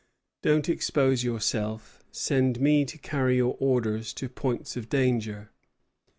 Don't expose yourself; send me to carry your orders to points of danger.'